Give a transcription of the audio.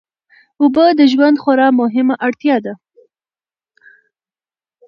اوبه د ژوند خورا مهمه اړتیا ده.